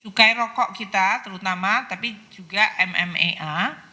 cukai rokok kita terutama tapi juga mmea